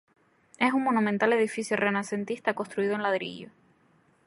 Es un monumental edificio renacentista construido en ladrillo.